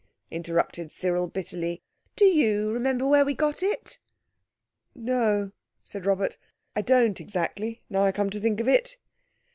interrupted Cyril bitterly, "do you remember where we got it?" "No," said Robert, "I don't exactly, now I come to think of it."